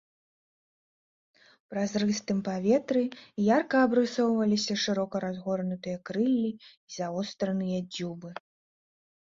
У празрыстым паветры ярка абрысоўваліся шырока разгорнутыя крыллі і завостраныя дзюбы.